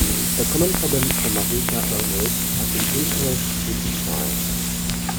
A common problem for Mavica owners has been incorrect disc size.